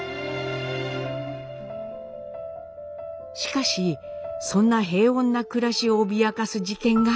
しかしそんな平穏な暮らしを脅かす事件が起こります。